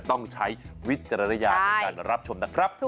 ต้องใช้วิจารณญาณในการรับชมนะครับ